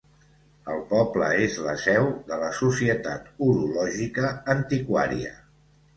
El poble és la seu de la Societat Horològica Antiquària.